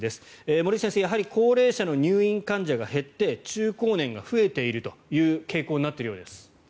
森内先生やはり高齢者の入院患者が減って中高年が増えているという傾向になっているようです。